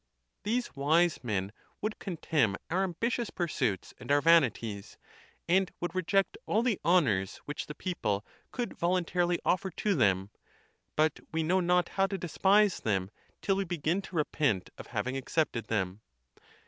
These wise men would contemn our ambitious pursuits and our vanities, and would reject all the honors which the people could voluntarily offer to them; but we know not how to despise them till we begin to repent of having accepted them.